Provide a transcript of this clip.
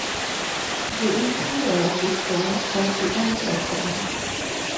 The interior of this cone is called the ample cone.